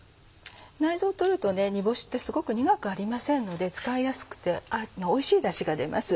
内臓を取ると煮干しってすごく苦くありませんので使いやすくておいしいダシが出ます。